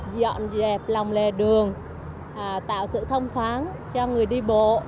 dọn dẹp lòng lề đường tạo sự thông thoáng cho người đi bộ